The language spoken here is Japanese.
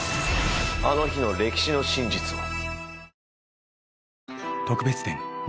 あの日の歴史の真実を。